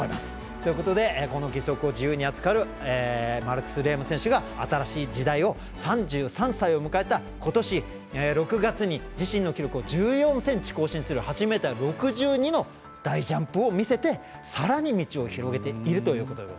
ということで、この義足を自由に扱えるマルクス・レーム選手が新しい時代を３３歳を迎えたことし６月に自身の記録を１４ｃｍ更新する８ｍ６２の大ジャンプを見せてさらに道を広げているということです。